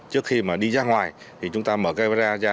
trước khi mà đi ra ngoài thì chúng ta mở camera ra